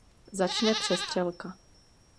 Začne přestřelka.